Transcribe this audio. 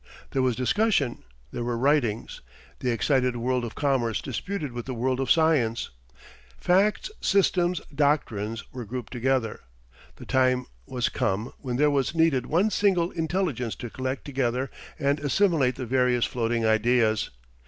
There was discussion, there were writings. The excited world of commerce disputed with the world of science. Facts, systems, doctrines, were grouped together. The time was come when there was needed one single intelligence to collect together and assimilate the various floating ideas.